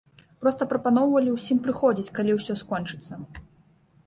Проста прапаноўвалі ўсім прыходзіць, калі ўсё скончыцца.